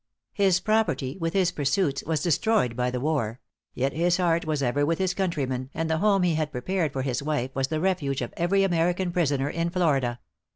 His property, with his pursuits, was destroyed by the war; yet his heart was ever with his countrymen, and the home he had prepared for his wife was the refuge of every American prisoner in Florida.